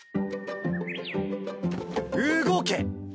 動け！